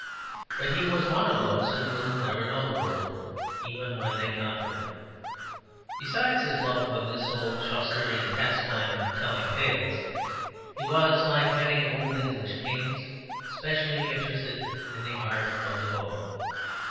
But he was one of those who will never know the world, even when they conquer it. Besides his love of this old Chaucerian pastime of the telling of tales, he was, like many old English kings, specially interested in the art of the bow.